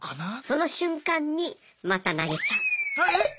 その瞬間にまた投げちゃう。